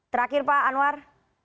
terakhir pak anwar